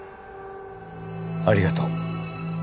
ありがとう。